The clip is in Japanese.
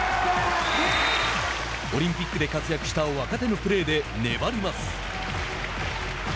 オリンピックで活躍した若手のプレーで粘ります。